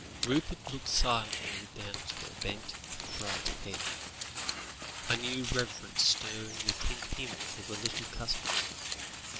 Rupert looked silently down at her bent, bright head, a new reverence stirring within him for the little cousin.